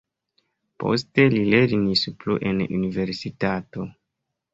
Poste li lernis plu en universitato.